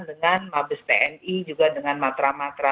dengan mabes tni juga dengan matra matra